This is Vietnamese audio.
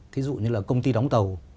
ví dụ như là công ty đóng tàu